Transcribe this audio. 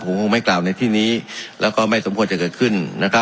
ผมคงไม่กล่าวในที่นี้แล้วก็ไม่สมควรจะเกิดขึ้นนะครับ